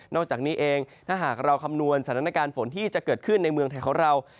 อกจากนี้เองถ้าหากเราคำนวณสถานการณ์ฝนที่จะเกิดขึ้นในเมืองไทยของเรา